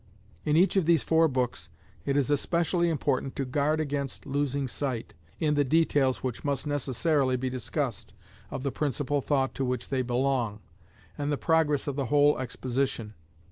In each of these four books it is especially important to guard against losing sight, in the details which must necessarily be discussed, of the principal thought to which they belong, and the progress of the whole exposition.